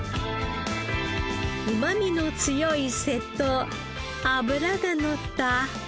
うまみの強い背と脂がのった腹。